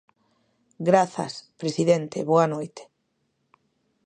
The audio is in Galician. Grazas, presidente, boa noite.